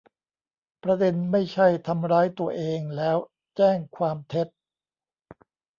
ประเด็นไม่ใช่ทำร้ายตัวเองแล้วแจ้งความเท็จ